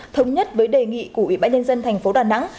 thống nhất với đề nghị của ủy ban nhân dân thành phố đà nẵng